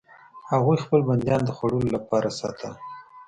هغوی خپل بندیان د خوړلو لپاره ساتل.